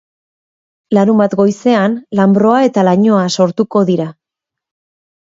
Larunbat goizean, lanbroa eta lainoa sortuko dira.